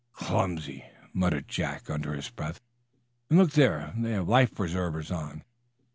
"Clumsy!" muttered Jack, under his breath. "And look there! They have life preservers on.